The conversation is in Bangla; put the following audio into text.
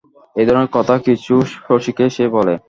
এই ধরনের কথা কিছু শশীকে সে বলে।